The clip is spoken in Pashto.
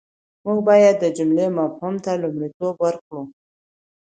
موږ بايد د جملې مفهوم ته لومړیتوب ورکړو.